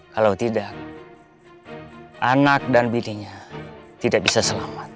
kalau tidak anak dan bidinya tidak bisa selamat